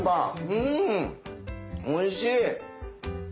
うんおいしい！